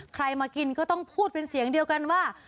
มากินก็ต้องพูดเป็นเสียงเดียวกันว่า